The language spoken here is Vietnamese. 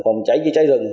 phòng cháy cháy rừng